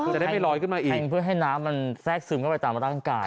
คือจะได้ไม่ลอยขึ้นมาเองเพื่อให้น้ำมันแทรกซึมเข้าไปตามร่างกาย